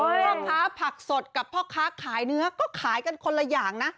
พ่อค้าผักสดกับพ่อค้าขายเนื้อก็ขายกันคนละอย่างนะ